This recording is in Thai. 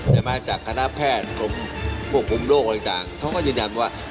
แต่มาจากคณะแพทย์กรุงโลกหลังจากเค้าก็ยืนยันว่า